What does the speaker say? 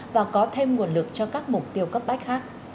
và có thêm nguồn lực cho các mục tiêu cấp bách khác